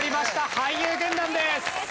俳優軍団です。